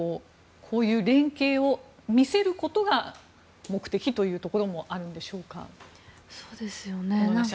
こういう連携を見せることが目的というところもあるんでしょうか。